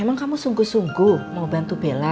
emang kamu sungguh sungguh mau bantu bella